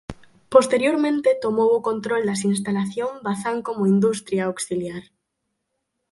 Posteriormente tomou o control das instalación Bazán como industria auxiliar.